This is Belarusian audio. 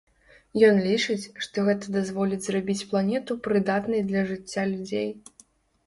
Ён лічыць, што гэта дазволіць зрабіць планету прыдатнай для жыцця людзей.